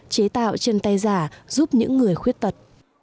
chế tạo chân tay giả giúp những người khuyết tật